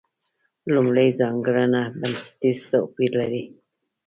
لومړۍ ځانګړنه بنسټیز توپیر لري.